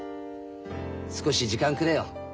少し時間くれよ。